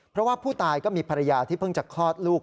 เพราะว่าผู้ตายก็มีภรรยาที่เพิ่งจะคลอดลูก